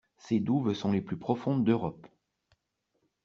Ces douves sont les plus profondes d'Europe!